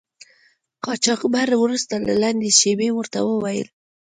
قاچاقبر وروسته له څه لنډې شیبې ورته و ویل.